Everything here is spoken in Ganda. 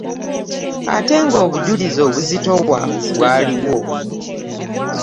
Ate ng'obujulizi obuzitowa bwaliwo.